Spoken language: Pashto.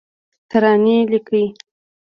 ترانې لیکې